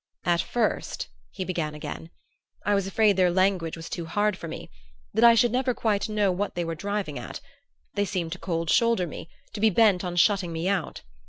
"At first," he began again, "I was afraid their language was too hard for me that I should never quite know what they were driving at; they seemed to cold shoulder me, to be bent on shutting me out.